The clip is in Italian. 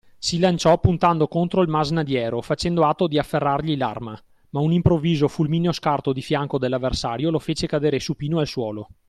Si lanciò puntando contro il masnadiero, facendo atto di afferrargli l’arma: ma un improvviso, fulmineo scarto di fianco dell’avversario, lo fece cadere supino al suolo.